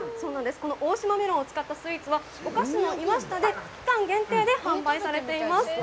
この大島メロンを使ったスイーツはお菓子のいわしたで期間限定で販売されています。